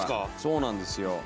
そうなんですよ。